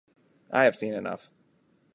I have seen enough.